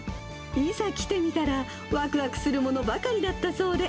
いざ来てみたら、わくわくするものばかりだったそうで。